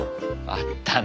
あったな。